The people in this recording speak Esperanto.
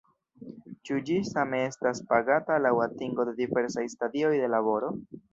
Ĉu ĝi same estas pagata laŭ atingo de diversaj stadioj de laboro?